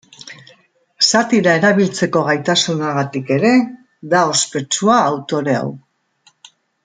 Satira erabiltzeko gaitasunagatik ere da ospetsua autore hau.